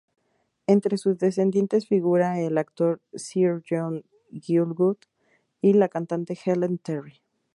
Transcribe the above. Entre sus descendientes figuran el actor Sir John Gielgud y la cantante Helen Terry.